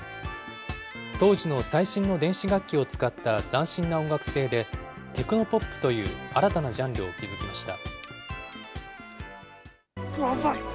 当時の最新の電子楽器を使った斬新な音楽性で、テクノポップという新たなジャンルを築きました。